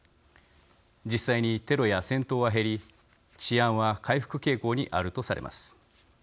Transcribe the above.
実際にテロや戦闘は減り治安は回復傾向にあるとされます。